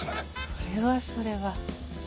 それはそれは。